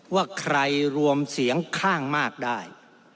ว่าใครรวมเสียงข้างมากได้